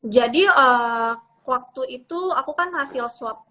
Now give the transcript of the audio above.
jadi waktu itu aku kan hasil swab